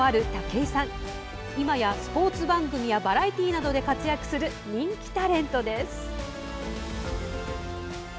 いまや、スポーツ番組やバラエティーなどで活躍する人気タレントです。